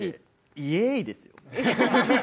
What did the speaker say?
イエーイ！ですよ？